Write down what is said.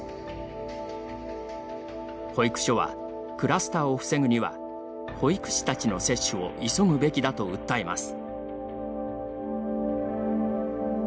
保育所は、クラスターを防ぐには保育士たちの接種を急ぐべきだと訴えます。